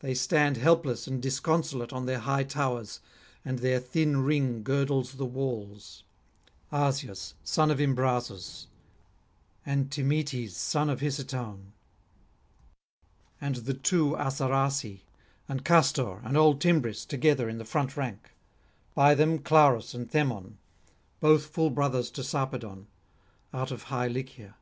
They stand helpless and disconsolate on their high towers, and their thin ring girdles the walls, Asius, son of Imbrasus, and Thymoetes, son of Hicetaon, and the two Assaraci, and Castor, and old Thymbris together in the front rank: by them Clarus and [126 160]Themon, both full brothers to Sarpedon, out of high Lycia.